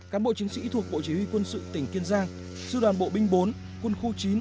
các bộ chiến sĩ thuộc bộ chỉ huy quân sự tỉnh kiên giang sư đoàn bộ binh bốn quân khu chín